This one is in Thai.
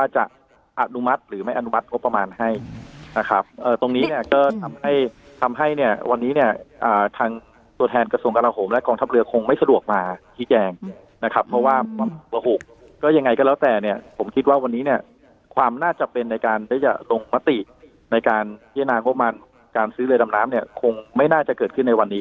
จะอนุมัติหรือไม่อนุมัติงบประมาณให้นะครับตรงนี้เนี่ยก็ทำให้ทำให้เนี่ยวันนี้เนี่ยทางตัวแทนกระทรวงกระลาโหมและกองทัพเรือคงไม่สะดวกมาชี้แจงนะครับเพราะว่าหกก็ยังไงก็แล้วแต่เนี่ยผมคิดว่าวันนี้เนี่ยความน่าจะเป็นในการที่จะลงมติในการพิจารณางบประมาณการซื้อเรือดำน้ำเนี่ยคงไม่น่าจะเกิดขึ้นในวันนี้